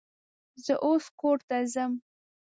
زه اوس کور ته ځم